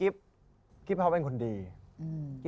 ไปเทราะกันอีก